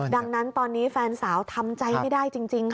ดังนั้นตอนนี้แฟนสาวทำใจไม่ได้จริงค่ะ